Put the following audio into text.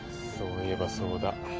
そういえばそうだ。